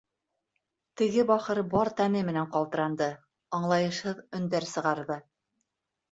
Теге бахыр бар тәне менән ҡалтыранды, аңлайышһыҙ өндәр сығарҙы.